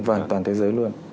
vâng toàn thế giới luôn